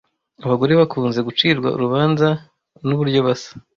Abagore bakunze gucirwa urubanza nuburyo basa.